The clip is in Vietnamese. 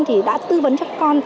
thì đã tư vấn cho các con